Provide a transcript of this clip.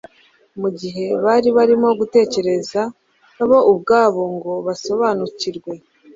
Mu gihe bari barimo gutekereza bo ubwabo ngo basobanukirwe,